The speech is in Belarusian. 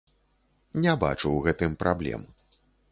Не бачу ў гэтым праблем.